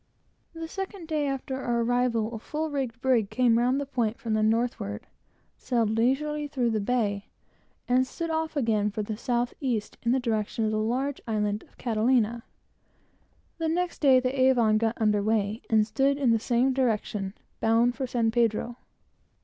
The second day after our arrival, a full rigged brig came round the point from the northward, sailed leisurely through the bay, and stood off again for the south east, in the direction of the large island of Catalina. The next day the Avon got under weigh, and stood in the same direction, bound for San Pedro.